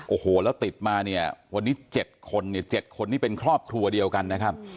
โอ้โหแล้วติดมาเนี่ยวันนี้๗คนเนี่ย๗คนนี่เป็นครอบครัวเดียวกันนะครับ